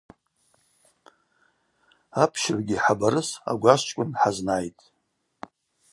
Апщыгӏвгьи хӏабарыс агвашвчкӏвын хӏазнайтӏ.